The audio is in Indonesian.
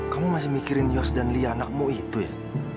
kamu masih mikirin yos dan lia anakmu itu ya